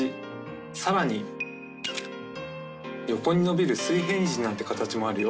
さらに横に伸びる水平虹なんて形もあるよ。